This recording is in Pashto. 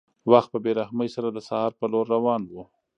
وخت په بې رحمۍ سره د سهار په لور روان و.